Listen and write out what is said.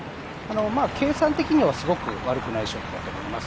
計算的にはすごく悪くないショットだったと思います。